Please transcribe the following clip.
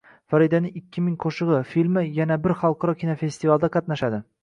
“Faridaning ikki ming qo‘shig‘i” filmi yana bir xalqaro kinofestivalda qatnashadi